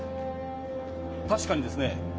確かにですね